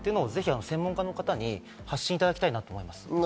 専門家の方に発信してもらいたいと思います。